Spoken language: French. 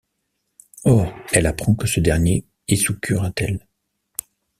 Or, elle apprend que ce dernier est sous curatelle.